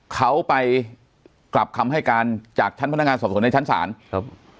เขาไปกลับคำให้การจากชั้นพนักงานสอบสวนในชั้นศาลครับ